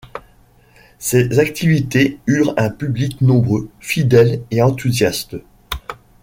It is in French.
Ces activités eurent un public nombreux, fidèle et enthousiaste.